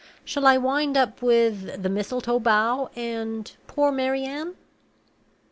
Shall I wind up with 'The Mistletoe Bough' and 'Poor Mary Anne'?"